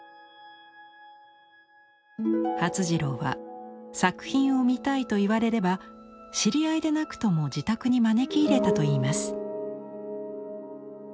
發次郎は「作品を見たい」と言われれば知り合いでなくとも自宅に招き入れたといいます。